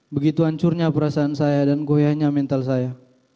begitu hancurnya perasaan saya dan goyahnya mental saya